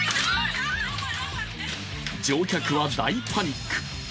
乗客は大パニック。